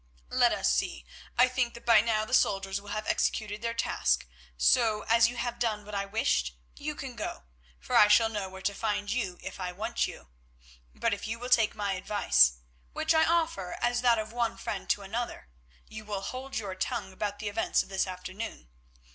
Let us see; I think that by now the soldiers will have executed their task, so, as you have done what I wished, you can go, for I shall know where to find you if I want you. But, if you will take my advice, which I offer as that of one friend to another, you will hold your tongue about the events of this afternoon.